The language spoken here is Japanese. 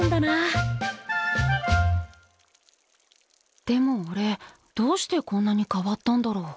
心の声でもおれどうしてこんなに変わったんだろ？